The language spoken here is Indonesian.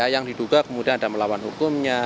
yang diduga kemudian ada melawan hukumnya